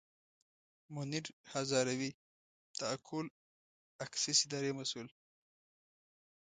منیر هزاروي د اکول اکسیس اداري مسوول.